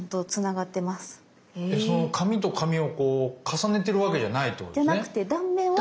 その紙と紙をこう重ねてるわけじゃないってことですね？